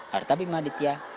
harta bima aditya